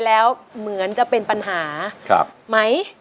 แล้วยังร้องทหัว